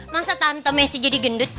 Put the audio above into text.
masa tante messi jadi gendut